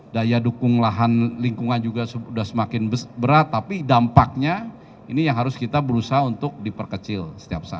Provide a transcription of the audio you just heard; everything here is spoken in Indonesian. daya dukung lahan lingkungan juga sudah semakin berat tapi dampaknya ini yang harus kita berusaha untuk diperkecil setiap saat